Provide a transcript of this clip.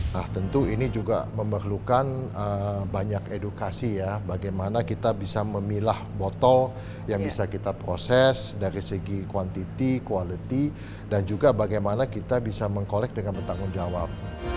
nah tentu ini juga memerlukan banyak edukasi ya bagaimana kita bisa memilah botol yang bisa kita proses dari segi kuantiti quality dan juga bagaimana kita bisa mengkolek dengan bertanggung jawab